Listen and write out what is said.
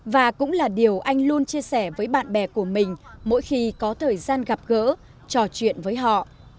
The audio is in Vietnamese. và cũng là điều anh luôn chia sẻ với bạn bè của mình mỗi khi có thời gian gặp gỡ trò chuyện với họ